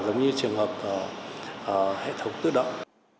giống như trường hợp hệ thống tự động